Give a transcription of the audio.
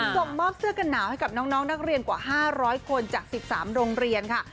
ส่งมอบเสื้อกันหนาวให้กับน้องนักเรียนกว่า๕๐๐คนจาก๑๓โรงเรียนค่ะ